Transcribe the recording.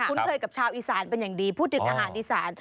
เคยกับชาวอีสานเป็นอย่างดีพูดถึงอาหารอีสาน